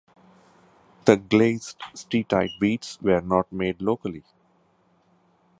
The glazed steatite beads were not made locally.